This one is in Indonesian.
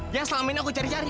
dia selama ini aku cari cari